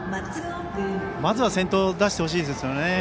まずは先頭を出してほしいですね。